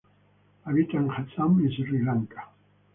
Habita en Assam y Sri Lanka.